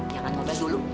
jangan tompel dulu